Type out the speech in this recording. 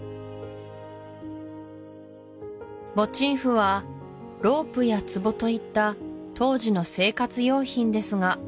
モチーフはロープや壺といった当時の生活用品ですが